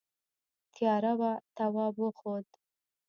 تیاره وه تواب وخوت.